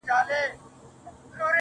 خدايه له بـهــاره روانــېــږمه,